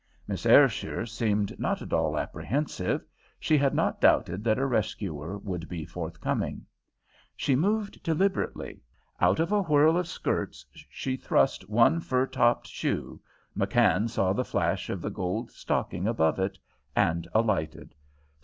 Miss Ayrshire seemed not at all apprehensive; she had not doubted that a rescuer would be forthcoming. She moved deliberately; out of a whirl of skirts she thrust one fur topped shoe McKann saw the flash of the gold stocking above it and alighted.